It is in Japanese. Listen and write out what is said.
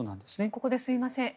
ここですみません。